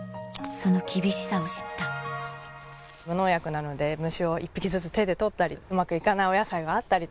その厳しさを知った無農薬なので虫を１匹ずつ手で取ったりうまく行かないお野菜があったり。